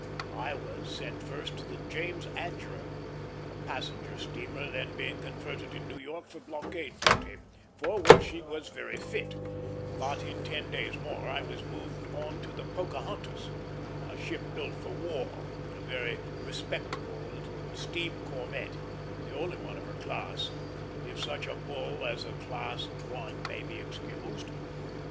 I was sent first to the James Adger, a passenger steamer then being converted in New York for blockade duty, for which she was very fit; but in ten days more I was moved on to the Pocahontas, a ship built for war, a very respectable little steam corvette, the only one of her class if such a bull as a class of one may be excused.